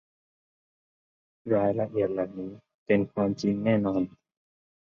รายละเอียดเหล่านี้เป็นความจริงอย่างแน่นอน